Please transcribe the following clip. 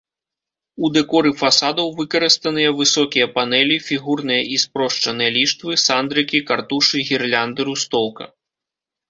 У дэкоры фасадаў выкарыстаныя высокія панэлі, фігурныя і спрошчаныя ліштвы, сандрыкі, картушы, гірлянды, рустоўка.